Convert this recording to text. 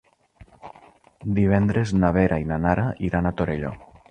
Divendres na Vera i na Nara iran a Torelló.